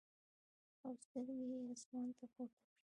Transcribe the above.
او سترګې ئې اسمان ته پورته کړې ـ